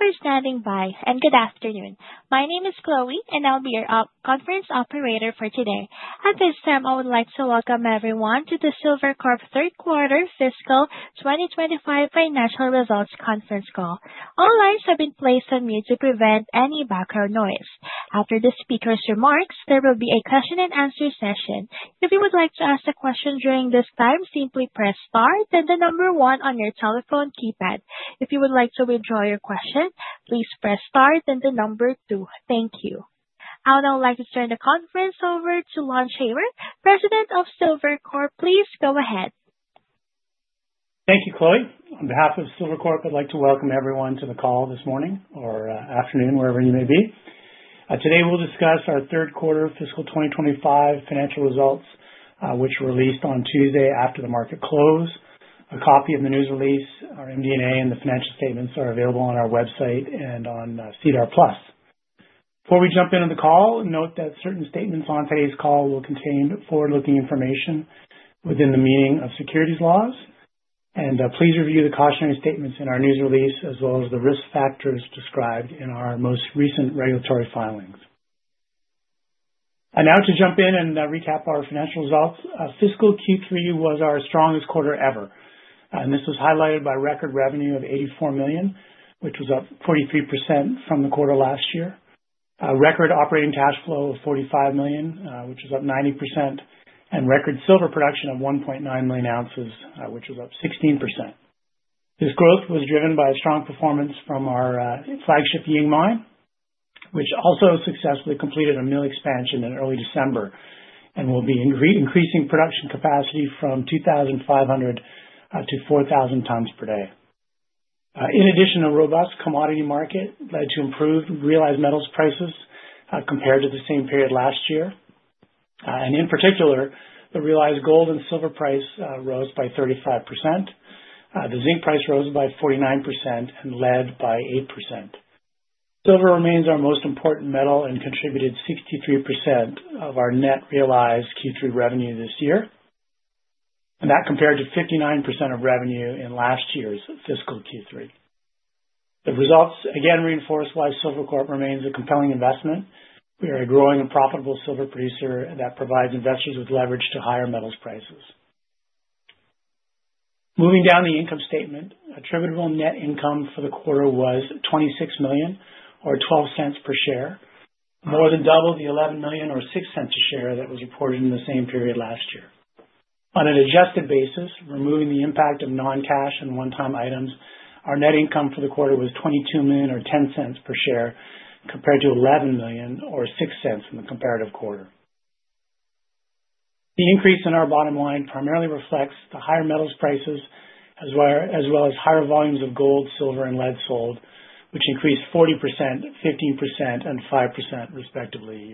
Thank you for standing by, and good afternoon. My name is Chloe, and I'll be your conference operator for today. At this time, I would like to welcome everyone to the Silvercorp Third Quarter Fiscal 2025 Financial Results Conference Call. All lines have been placed on mute to prevent any background noise. After the speaker's remarks, there will be a question-and-answer session. If you would like to ask a question during this time, simply press star, then the number one on your telephone keypad. If you would like to withdraw your question, please press star, then the number two. Thank you. I would now like to turn the conference over to Lon Shaver, President of Silvercorp. Please go ahead. Thank you, Chloe. On behalf of Silvercorp, I'd like to welcome everyone to the call this morning or afternoon, wherever you may be. Today we'll discuss our Third Quarter Fiscal 2025 financial results, which were released on Tuesday after the market close. A copy of the news release, our MD&A, and the financial statements are available on our website and on SEDAR+. Before we jump into the call, note that certain statements on today's call will contain forward-looking information within the meaning of securities laws, and please review the cautionary statements in our news release as well as the risk factors described in our most recent regulatory filings, and now to jump in and recap our financial results. Fiscal Q3 was our strongest quarter ever, and this was highlighted by record revenue of $84 million, which was up 43% from the quarter last year. Record operating cash flow of $45 million, which was up 90%, and record silver production of 1.9 million ounces, which was up 16%. This growth was driven by strong performance from our flagship Ying Mine, which also successfully completed a mill expansion in early December and will be increasing production capacity from 2,500 to 4,000 tons per day. In addition, a robust commodity market led to improved realized metals prices, compared to the same period last year. And in particular, the realized gold and silver price rose by 35%. The zinc price rose by 49% and lead by 8%. Silver remains our most important metal and contributed 63% of our net realized Q3 revenue this year. And that compared to 59% of revenue in last year's fiscal Q3. The results again reinforce why Silvercorp remains a compelling investment. We are a growing and profitable silver producer that provides investors with leverage to higher metals prices. Moving down the income statement, attributable net income for the quarter was $26 million or $0.12 per share, more than double the $11 million or $0.06 a share that was reported in the same period last year. On an adjusted basis, removing the impact of non-cash and one-time items, our net income for the quarter was $22 million or $0.10 per share compared to $11 million or $0.06 in the comparative quarter. The increase in our bottom line primarily reflects the higher metals prices as well as higher volumes of gold, silver, and lead sold, which increased 40%, 15%, and 5% respectively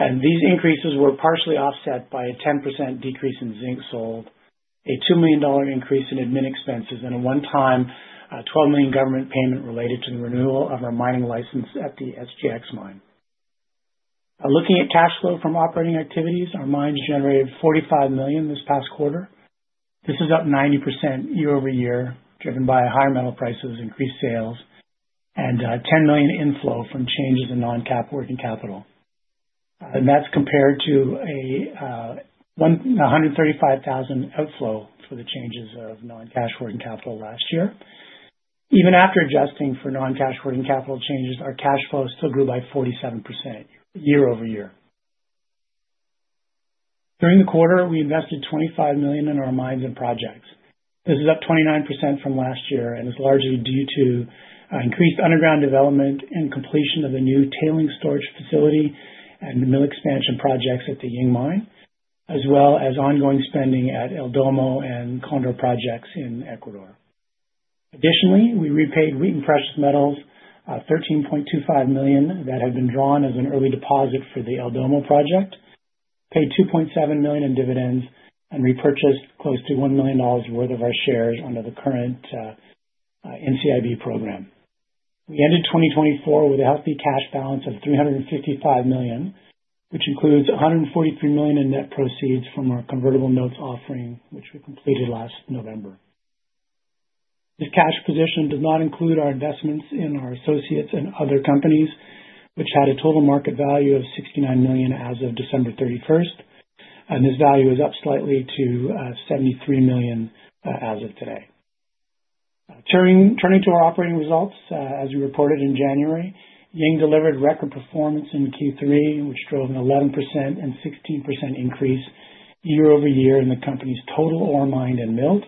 year-over-year. These increases were partially offset by a 10% decrease in zinc sold, a $2 million increase in admin expenses, and a one-time $12 million government payment related to the renewal of our mining license at the SGX Mine. Looking at cash flow from operating activities, our mines generated $45 million this past quarter. This is up 90% year-over-year, driven by higher metal prices, increased sales, and $10 million inflow from changes in non-cash working capital. That's compared to a $135,000 outflow for the changes of non-cash working capital last year. Even after adjusting for non-cash working capital changes, our cash flow still grew by 47% year-over-year. During the quarter, we invested $25 million in our mines and projects. This is up 29% from last year and is largely due to increased underground development and completion of a new tailings storage facility and mill expansion projects at the Ying Mine, as well as ongoing spending at El Domo and Condor projects in Ecuador. Additionally, we repaid Wheaton Precious Metals $13.25 million that had been drawn as an early deposit for the El Domo project, paid $2.7 million in dividends, and repurchased close to $1 million worth of our shares under the current NCIB program. We ended 2024 with a healthy cash balance of $355 million, which includes $143 million in net proceeds from our convertible notes offering, which we completed last November. This cash position does not include our investments in our associates and other companies, which had a total market value of $69 million as of December 31st. And this value is up slightly to $73 million as of today. Turning to our operating results, as we reported in January, Ying delivered record performance in Q3, which drove an 11% and 16% increase year-over-year in the company's total ore mined and milled.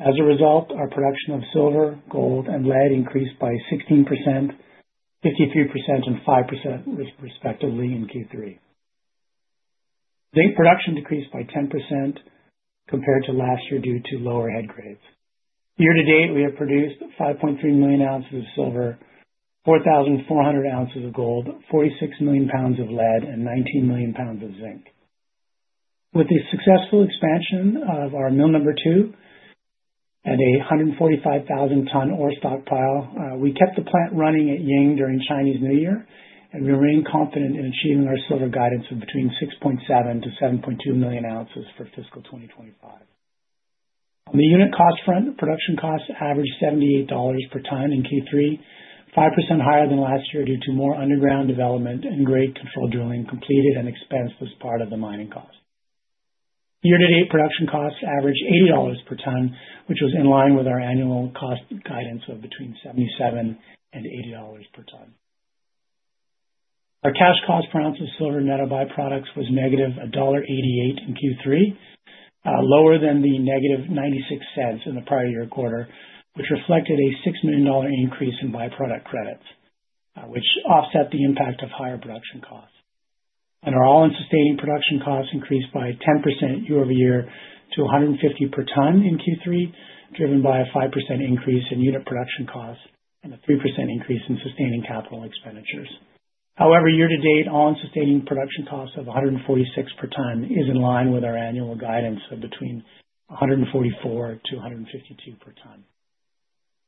As a result, our production of silver, gold, and lead increased by 16%, 53%, and 5% respectively in Q3. Zinc production decreased by 10% compared to last year due to lower head grades. Year to date, we have produced 5.3 million ounces of silver, 4,400 ounces of gold, 46 million pounds of lead, and 19 million pounds of zinc. With the successful expansion of our Mill Number Two and a 145,000-ton ore stockpile, we kept the plant running at Ying during Chinese New Year, and we remain confident in achieving our silver guidance of between 6.7 million-7.2 million ounces for Fiscal 2025. On the unit cost front, production costs averaged $78 per ton in Q3, 5% higher than last year due to more underground development and grade control drilling completed and expensed as part of the mining cost. Year to date, production costs averaged $80 per ton, which was in line with our annual cost guidance of between $77 and $80 per ton. Our cash cost per ounce of silver net of byproducts was negative $1.88 in Q3, lower than the negative $0.96 in the prior year quarter, which reflected a $6 million increase in byproduct credits, which offset the impact of higher production costs. And our all-in sustaining production costs increased by 10% year-over-year to $150 per ton in Q3, driven by a 5% increase in unit production costs and a 3% increase in sustaining capital expenditures. However, year to date, all-in sustaining production costs of $146 per ton is in line with our annual guidance of between $144-$152 per ton.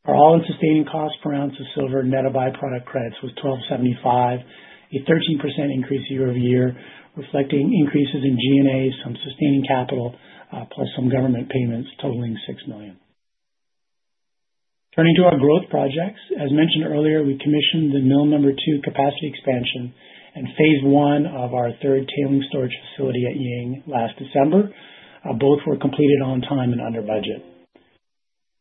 Our all-in sustaining cost per ounce of silver net of byproduct credits was $1,275, a 13% increase year-over-year, reflecting increases in G&A from sustaining capital, plus some government payments totaling $6 million. Turning to our growth projects, as mentioned earlier, we commissioned the Mill Number Two capacity expansion and phase one of our third tailings storage facility at Ying last December. Both were completed on time and under budget.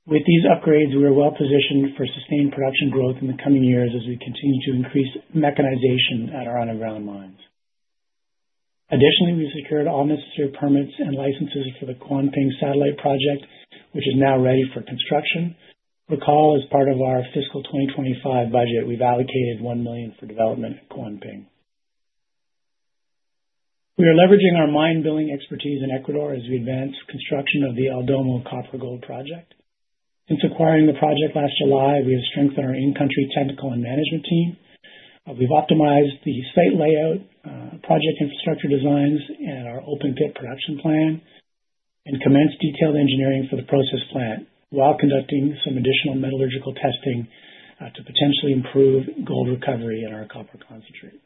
With these upgrades, we are well positioned for sustained production growth in the coming years as we continue to increase mechanization at our underground mines. Additionally, we secured all necessary permits and licenses for the Kuanping satellite project, which is now ready for construction. Recall, as part of our Fiscal 2025 budget, we've allocated one million for development at Kuanping. We are leveraging our milling expertise in Ecuador as we advance construction of the El Domo copper-gold project. Since acquiring the project last July, we have strengthened our in-country technical and management team. We've optimized the site layout, project infrastructure designs, and our open pit production plan, and commenced detailed engineering for the process plant while conducting some additional metallurgical testing, to potentially improve gold recovery in our copper concentrate.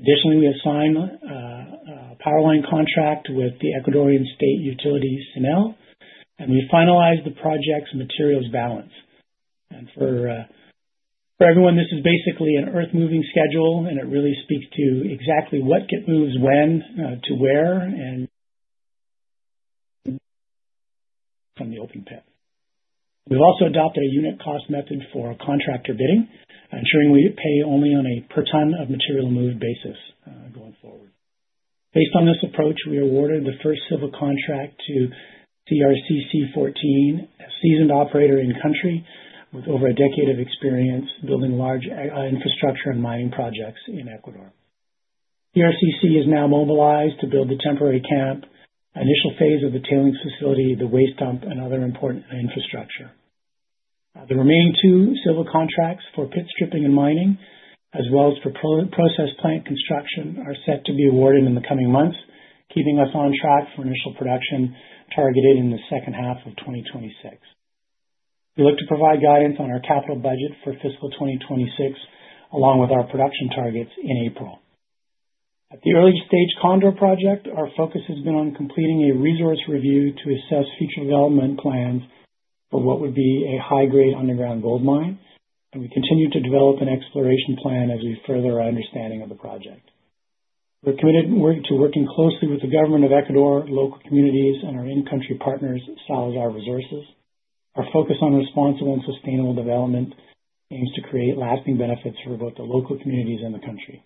Additionally, we have signed a power line contract with the Ecuadorian State Utility CNEL, and we finalized the project's materials balance. For everyone, this is basically an earth-moving schedule, and it really speaks to exactly what gets moved when, to where and from the open pit. We've also adopted a unit cost method for contractor bidding, ensuring we pay only on a per ton of material-moved basis, going forward. Based on this approach, we awarded the first civil contract to CRCC 14, a seasoned operator in country with over a decade of experience building large, infrastructure and mining projects in Ecuador. CRCC is now mobilized to build the temporary camp, initial phase of the tailings facility, the waste dump, and other important infrastructure. The remaining two civil contracts for pit stripping and mining, as well as for process plant construction, are set to be awarded in the coming months, keeping us on track for initial production targeted in the second half of 2026. We look to provide guidance on our capital budget for Fiscal 2026, along with our production targets in April. At the early-stage Condor project, our focus has been on completing a resource review to assess future development plans for what would be a high-grade underground gold mine, and we continue to develop an exploration plan as we further our understanding of the project. We're committed to working closely with the government of Ecuador, local communities, and our in-country partners, Salazar Resources. Our focus on responsible and sustainable development aims to create lasting benefits for both the local communities and the country,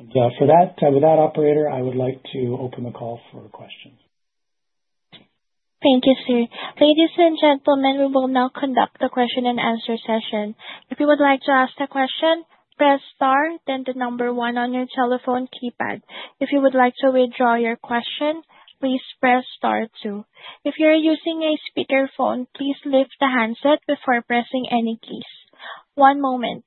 and, for that, with that, operator, I would like to open the call for questions. Thank you, sir. Ladies and gentlemen, we will now conduct the question-and-answer session. If you would like to ask a question, press star, then the number one on your telephone keypad. If you would like to withdraw your question, please press star two. If you're using a speakerphone, please lift the handset before pressing any keys. One moment.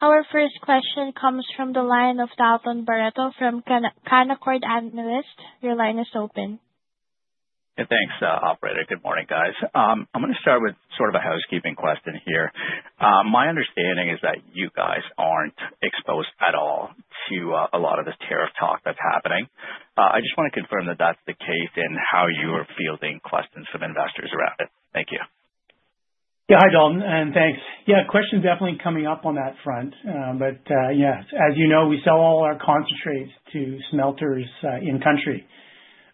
Our first question comes from the line of Dalton Baretto from Canaccord analyst. Your line is open. Hey, thanks, operator. Good morning, guys. I'm gonna start with sort of a housekeeping question here. My understanding is that you guys aren't exposed at all to a lot of this tariff talk that's happening. I just wanna confirm that that's the case and how you are fielding questions from investors around it. Thank you. Yeah, hi, Dalton, and thanks. Yeah, questions definitely coming up on that front. Yeah, as you know, we sell all our concentrates to smelters in country.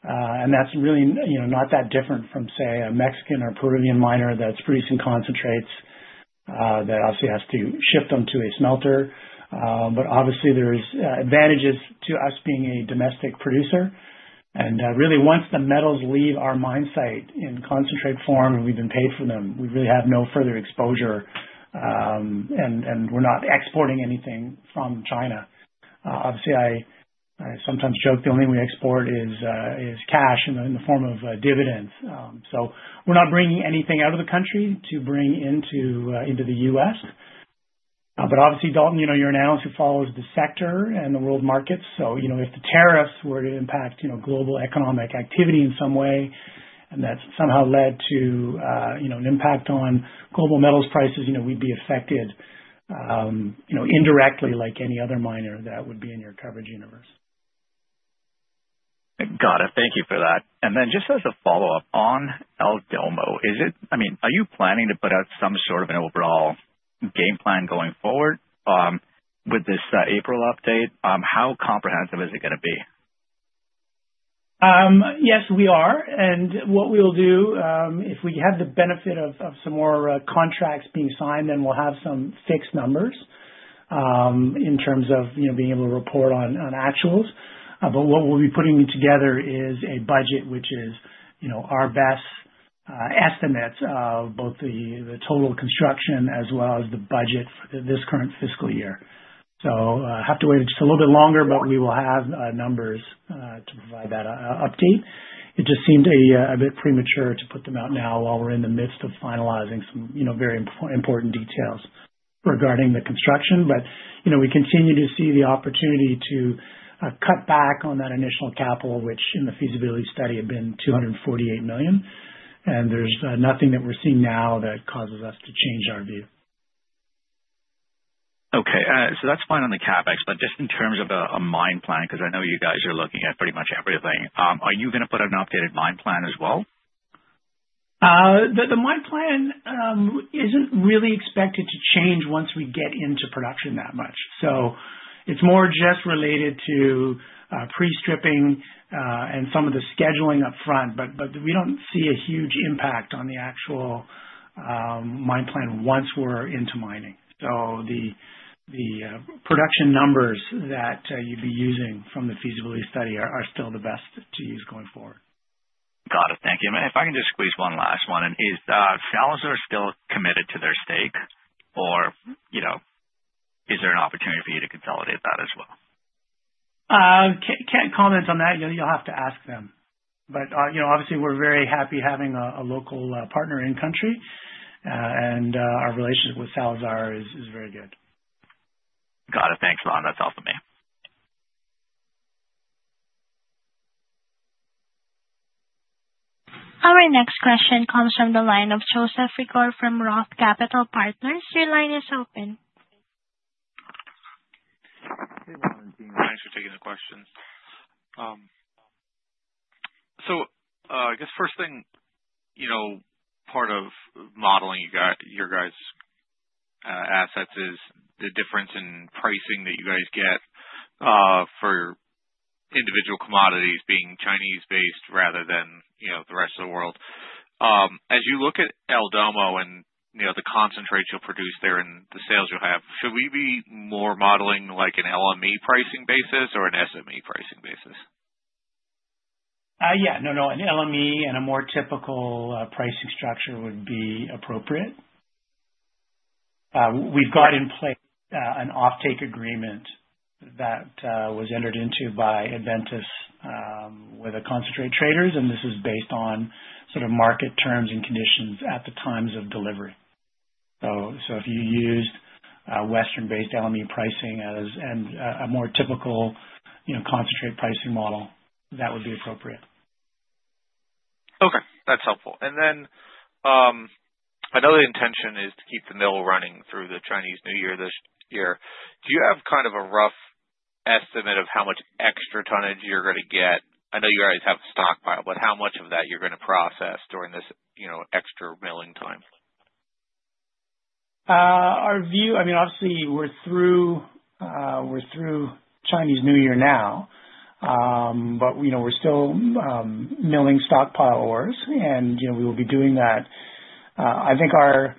That's really, you know, not that different from, say, a Mexican or Peruvian miner that's producing concentrates that obviously has to ship them to a smelter. Obviously, there's advantages to us being a domestic producer. Really, once the metals leave our mine site in concentrate form and we've been paid for them, we really have no further exposure, and we're not exporting anything from China. Obviously, I sometimes joke the only thing we export is cash in the form of dividends, so we're not bringing anything out of the country to bring into the U.S. Obviously, Dalton, you know, you're an analyst who follows the sector and the world markets. So, you know, if the tariffs were to impact, you know, global economic activity in some way, and that's somehow led to, you know, an impact on global metals prices, you know, we'd be affected, you know, indirectly, like any other miner that would be in your coverage universe. Got it. Thank you for that. And then just as a follow-up on El Domo, is it, I mean, are you planning to put out some sort of an overall game plan going forward, with this, April update? How comprehensive is it gonna be? Yes, we are. And what we'll do, if we have the benefit of some more contracts being signed, then we'll have some fixed numbers, in terms of, you know, being able to report on actuals. But what we'll be putting together is a budget, which is, you know, our best estimates of both the total construction as well as the budget for this current fiscal year. So, have to wait just a little bit longer, but we will have numbers to provide that update. It just seemed a bit premature to put them out now while we're in the midst of finalizing some, you know, very important details regarding the construction. But, you know, we continue to see the opportunity to cut back on that initial capital, which in the feasibility study had been $248 million. There's nothing that we're seeing now that causes us to change our view. Okay, so that's fine on the CapEx, but just in terms of a mine plan, 'cause I know you guys are looking at pretty much everything, are you gonna put an updated mine plan as well? The mine plan isn't really expected to change once we get into production that much. So it's more just related to pre-stripping and some of the scheduling upfront. But we don't see a huge impact on the actual mine plan once we're into mining. So the production numbers that you'd be using from the feasibility study are still the best to use going forward. Got it. Thank you. And if I can just squeeze one last one, is Salazar still committed to their stake, or, you know, is there an opportunity for you to consolidate that as well? Can't comment on that. You'll have to ask them. But, you know, obviously, we're very happy having a local partner in country, and our relationship with Salazar is very good. Got it. Thanks, Lon. That's all for me. Our next question comes from the line of Joseph Reagor from Roth Capital Partners. Your line is open. Hey, Lon. Thanks for taking the questions. So, I guess first thing, you know, part of modeling you guys' assets is the difference in pricing that you guys get for individual commodities being Chinese-based rather than, you know, the rest of the world. As you look at El Domo and, you know, the concentrates you'll produce there and the sales you'll have, should we be more modeling like an LME pricing basis or an SMM pricing basis? Yeah. No, no. An LME and a more typical pricing structure would be appropriate. We've got in place an offtake agreement that was entered into by Adventus with the concentrate traders. And this is based on sort of market terms and conditions at the times of delivery. So if you used Western-based LME pricing as a more typical, you know, concentrate pricing model, that would be appropriate. Okay. That's helpful. And then, another intention is to keep the mill running through the Chinese New Year this year. Do you have kind of a rough estimate of how much extra tonnage you're gonna get? I know you guys have a stockpile, but how much of that you're gonna process during this, you know, extra milling time? Our view, I mean, obviously, we're through, we're through Chinese New Year now, but you know, we're still milling stockpile ores. And you know, we will be doing that. I think our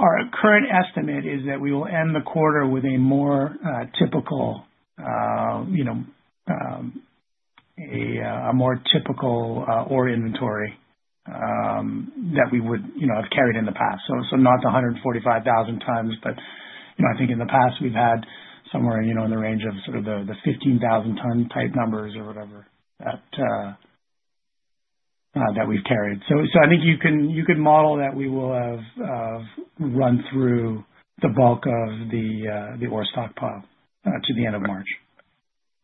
current estimate is that we will end the quarter with a more typical, you know, a more typical ore inventory that we would, you know, have carried in the past. So not the 145,000 tons, but you know, I think in the past we've had somewhere, you know, in the range of sort of the 15,000-ton type numbers or whatever that we've carried. So I think you can model that we will have run through the bulk of the ore stockpile to the end of March.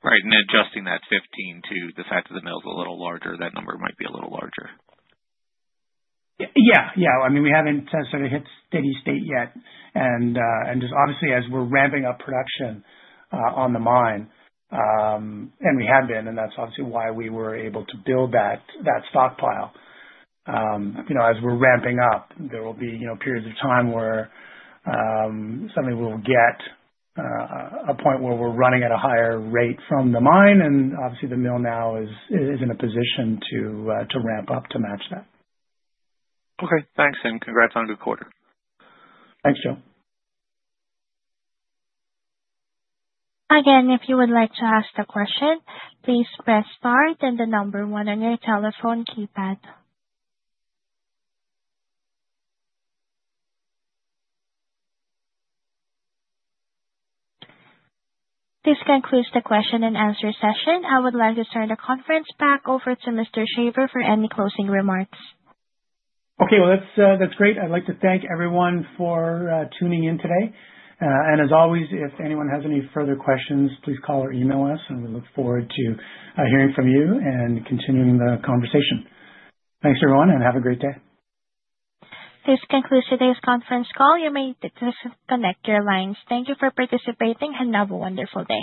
Right, and adjusting that 15 to the fact that the mill's a little larger, that number might be a little larger. Yeah. Yeah. I mean, we haven't necessarily hit steady state yet. And just obviously, as we're ramping up production on the mine, and we have been, and that's obviously why we were able to build that stockpile. You know, as we're ramping up, there will be, you know, periods of time where suddenly we'll get a point where we're running at a higher rate from the mine. And obviously, the mill now is in a position to ramp up to match that. Okay. Thanks, and congrats on a good quarter. Thanks, Joe. Again, if you would like to ask a question, please press star and then the number one on your telephone keypad. This concludes the question-and-answer session. I would like to turn the conference back over to Mr. Shaver for any closing remarks. Okay. Well, that's, that's great. I'd like to thank everyone for tuning in today, and as always, if anyone has any further questions, please call or email us, and we look forward to hearing from you and continuing the conversation. Thanks, everyone, and have a great day. This concludes today's conference call. You may disconnect your lines. Thank you for participating, and have a wonderful day.